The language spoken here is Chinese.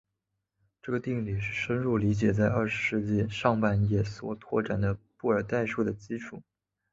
这个定理是深入理解在二十世纪上半叶所拓展的布尔代数的基础。